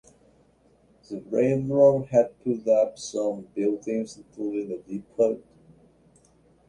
The railroad had put up some buildings, including a depot.